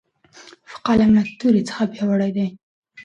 قلم له تورې څخه پیاوړی دی.